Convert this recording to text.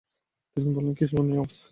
তিনি বললেন, কি জন্য এই আওয়াজ?